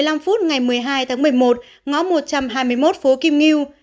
một mươi h một mươi năm phút ngày một mươi hai tháng một mươi một ngõ một trăm hai mươi một phố kim nghiu